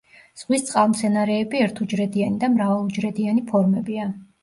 ზღვის წყალმცენარეები ერთუჯრედიანი და მრავალუჯრედიანი ფორმებია.